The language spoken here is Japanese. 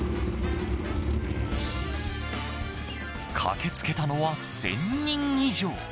駆けつけたのは１０００人以上。